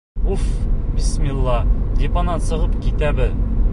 Уф, бисмилла, депонан сығып китәбеҙ.